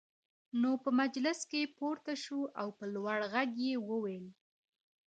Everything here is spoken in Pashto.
نو په مجلس کې پورته شو او په لوړ غږ يې وويل: